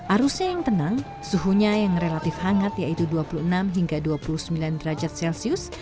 arusnya yang tenang suhunya yang relatif hangat yaitu dua puluh enam hingga dua puluh sembilan derajat celcius